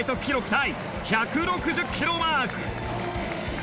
タイ１６０キロをマーク。